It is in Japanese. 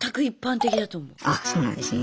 あそうなんですね。